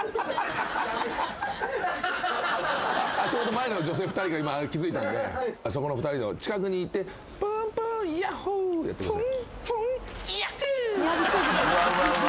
前の女性２人が今気付いたんでそこの２人の近くに行って「プゥンプゥンイヤッホウ」やってください。